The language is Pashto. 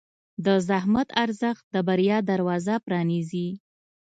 د زحمت ارزښت د بریا دروازه پرانیزي.